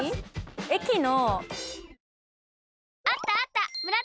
駅の。